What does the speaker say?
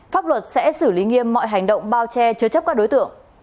pháp luật sẽ xử lý nghiêm mọi hành động bao che chứa chấp các đối tượng